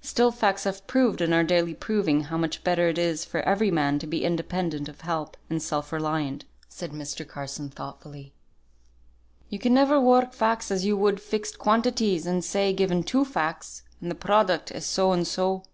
"Still, facts have proved and are daily proving how much better it is for every man to be independent of help, and self reliant," said Mr. Carson, thoughtfully. "You can never work facts as you would fixed quantities, and say, given two facts, and the product is so and so.